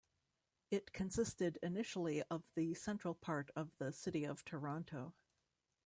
It consisted initially of the central part of the City of Toronto.